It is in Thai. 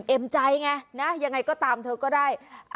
เอออิ๋มใจไงยังไงก็ตามเถอะก็ได้